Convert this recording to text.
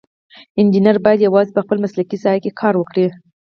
انجینر باید یوازې په خپله مسلکي ساحه کې کار وکړي.